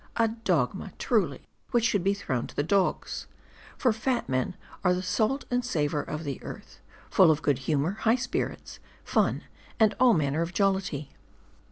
A dogma ! truly, which should be thrown to the dogs. For fat men are the salt and savor of the earth ; full of good humor, high spirits, fun, and all manner of jollity.